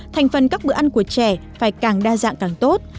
thành phần các bữa ăn của trẻ phải càng đa dạng càng tốt